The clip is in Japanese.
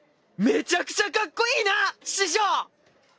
めちゃくちゃかっこいいな師匠！